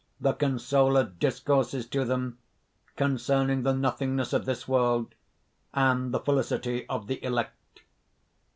The consoler discourses to them concerning the nothingness of this world, and the felicity of the Elect.